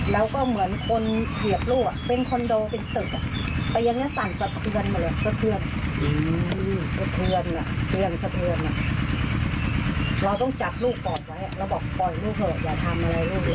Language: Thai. หากเจียนเราต้องจับลูกปลอดไว้แล้วบอกปล่อยลูกเถอะอย่าทำอะไรลูกเลย